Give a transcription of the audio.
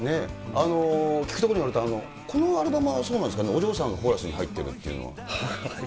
聞くところによると、このアルバムがそうなんですかね、お嬢さんがコーラスに入ってるっ入ってる。